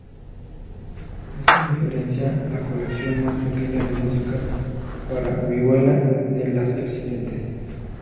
Es con diferencia, la colección más pequeña de música para vihuela de las existentes.